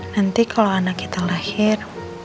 nanti kalau anak kita lahir